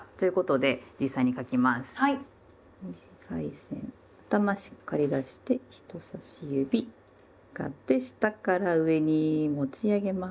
短い線頭しっかり出して人さし指上がって下から上に持ち上げます。